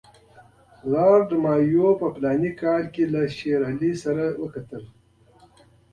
لارډ مایو په فلاني کال کې له شېر علي سره وکتل.